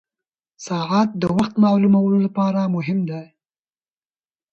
ساعت د وخت معلومولو لپاره مهم ده.